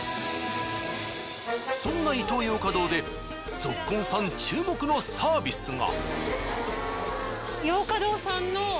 そんなイトーヨーカドーでぞっこんさん注目のサービスが。